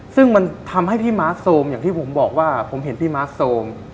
ซึ่งมันทำให้พี่ม้าโซมอย่างที่ผมบอกว่าผมเห็นพี่ม้าโซม